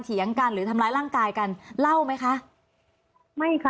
เถียงกันหรือทำร้ายร่างกายกันเล่าไหมคะไม่ค่ะ